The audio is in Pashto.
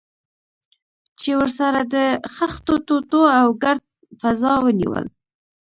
چې ورسره د خښتو ټوټو او ګرد فضا ونیول.